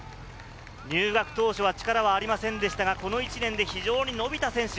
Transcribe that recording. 入学当初は力はありませんでしたが、この１年で非常に伸びた選手。